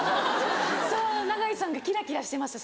そう永井さんがキラキラしてました